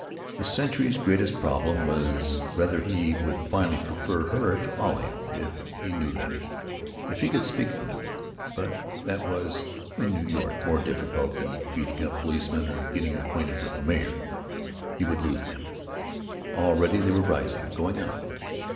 The century's greatest problem was whether he would finally prefer her to Olive, if he knew them. If he could speak to them——But that was, in New York, more difficult than beating a policeman or getting acquainted with the mayor. He would lose them. Already they were rising, going out.